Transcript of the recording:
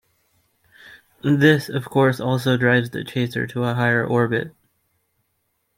This, of course, also drives the chaser to a higher orbit.